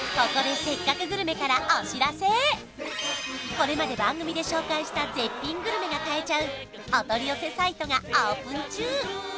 これまで番組で紹介した絶品グルメが買えちゃうお取り寄せサイトがオープン中